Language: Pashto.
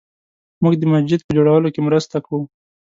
موږ د مسجد په جوړولو کې مرسته کوو